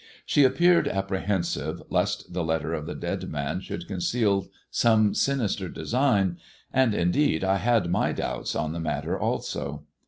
She appeared apprehensive lest the letter of the dead man should conceal some sinister design; and indeed I had my doubts on the matter also.